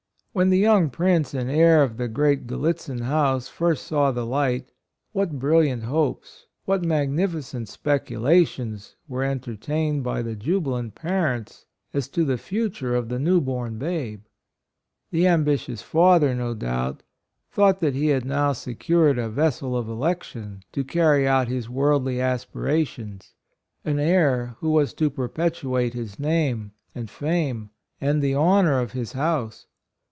When the young prince and heir of the great Gallitzin house first saw the light, what brilliant hopes, what magnificent speculations were entertained by the jubilant parents as to the future of the new born babe! The ambitious father, no doubt, thought that he had now secured "a vessel of election" to carry out HIS BIRTH, EDUCATION. 27 his worldly aspirations — an heir who was to perpetuate his name, and fame, and the honor of his house.